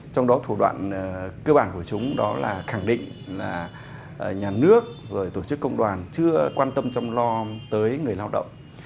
trong đó thủ đoạn cơ bản của chúng đó là khẳng định là nhà nước rồi tổ chức công đoàn chưa quan tâm trong lo tới người lao động